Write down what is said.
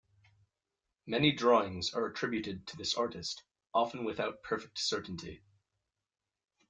Many drawings are attributed to this artist, often without perfect certainty.